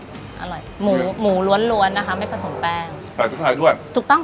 อร่อยหมูหมูล้วนนะคะไม่ผสมแป้งแต่สุดท้ายด้วยถูกต้องค่ะ